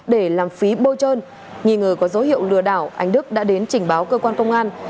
để làm phí bôi trơn nghi ngờ có dấu hiệu lừa đảo anh đức đã đến trình báo cơ quan công an